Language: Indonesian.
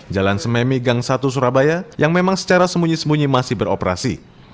jalan sememi gang satu surabaya yang memang secara sembunyi sembunyi masih beroperasi